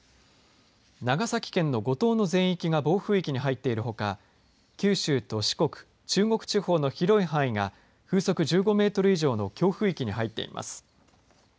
長崎県の五島の全域が暴風域に入っているほか九州と四国中国地方の広い範囲が風速１５メートル以上の強風域に入っています。